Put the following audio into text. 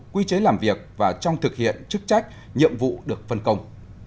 quy chế làm việc và trong thực hiện chức trách nhiệm vụ được phân công